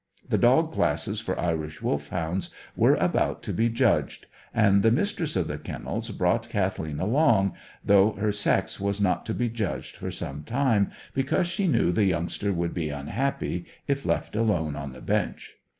The dog classes for Irish Wolfhounds were about to be judged, and the Mistress of the Kennels brought Kathleen along, though her sex was not to be judged for some time, because she knew the youngster would be unhappy if left alone on the bench.